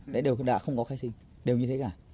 đấy đều đã không có khai sinh đều như thế cả